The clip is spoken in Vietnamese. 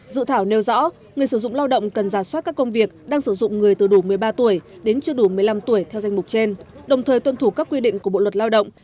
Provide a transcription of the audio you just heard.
dự thảo nêu rõ người sử dụng lao động cần giả soát các công việc đang sử dụng người từ đủ một mươi ba tuổi đến chưa đủ một mươi năm tuổi theo danh mục trên